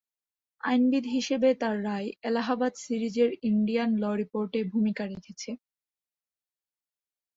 আইনবিদ হিসেবে তার রায় এলাহাবাদ সিরিজের ইন্ডিয়ান ল রিপোর্টে ভূমিকা রেখেছে।